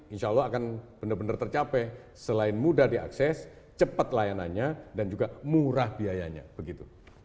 insya allah akan benar benar tercapai selain mudah diakses cepat layanannya dan juga murah biayanya begitu